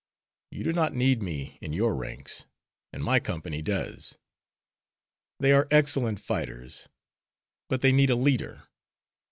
You do not need me in your ranks, and my company does. They are excellent fighters, but they need a leader.